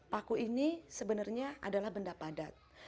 paku ini sebenarnya adalah benda padat